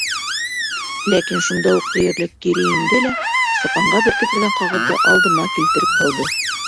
Ләкин шунда уҡ тиерлек, кире инде лә сапанға беркетелгән ҡағыҙҙы алдыма килтереп һалды: